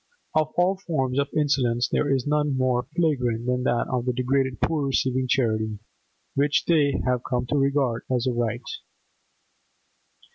Of all forms of insolence there is none more flagrant than that of the degraded poor receiving charity which they have come to regard as a right.